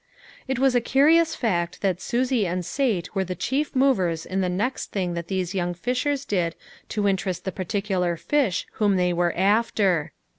It was a curious fact that Susie and Sate were the chief movers in the next thing that these young Fishers did to interest the particular fish whom they were after.